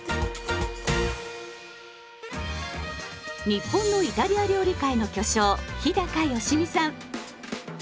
日本のイタリア料理界の巨匠日良実さん。